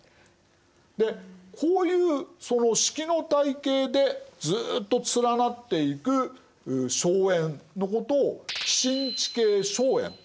でこういうその職の体系でずっと連なっていく荘園のことを寄進地系荘園というわけです。